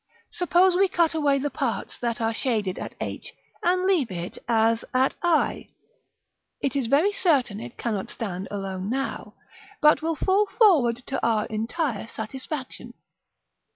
Suppose we cut away the parts that are shaded at h and leave it as at i, it is very certain it cannot stand alone now, but will fall forward to our entire satisfaction.